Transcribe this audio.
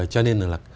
cho nên là